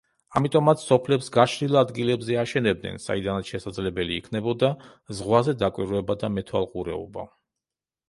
ამიტომაც სოფლებს გაშლილ ადგილებზე აშენებდნენ, საიდანაც შესაძლებელი იქნებოდა ზღვაზე დაკვირვება და მეთვალყურეობა.